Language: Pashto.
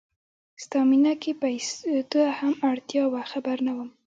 ستا مینه کې پیسو ته هم اړتیا وه خبر نه وم